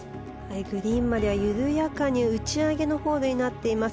グリーンまでは緩やかに打ち上げのホールになっています。